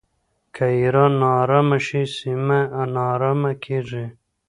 که ایران ناارامه شي سیمه ناارامه کیږي.